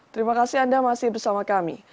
terima kasih anda masih bersama kami